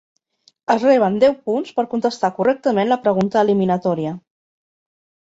Es reben deu punts per contestar correctament la pregunta eliminatòria.